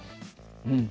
うん。